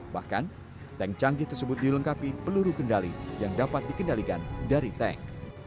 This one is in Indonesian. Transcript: bahkan tank canggih tersebut dilengkapi peluru kendali yang dapat dikendalikan dari tank